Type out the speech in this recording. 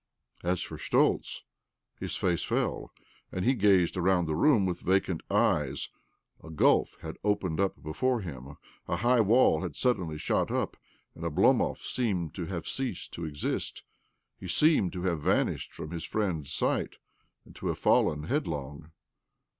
As for Schtoltz, his face fell, and he gazed around the room with vacant eyes. A gulf had opened before him[, a high wall had suddenly shot up, and Oblomov seemed to have ceased to exist — he seemed to have vanished from his friend's sight, and to have fallen headlong.